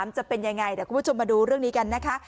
จะเป็นยังไงเดี๋ยวคุณผู้ชมมาดูเรื่องนี้กันนะคะ